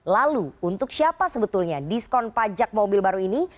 lalu untuk siapa sebetulnya diskon pajak mobil baru ini